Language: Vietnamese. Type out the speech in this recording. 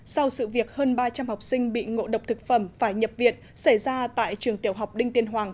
sau sự việc hơn ba trăm linh học sinh bị ngộ độc thực phẩm phải nhập viện xảy ra tại trường tiểu học đinh tiên hoàng